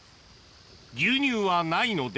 牛乳はないので。